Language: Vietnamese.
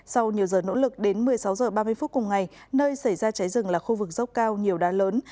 sau nhiều giờ nỗ lực đến một mươi sáu h ba mươi phút cùng ngày nơi xảy ra cháy rừng là khu vực dốc cao nhiều đá lớn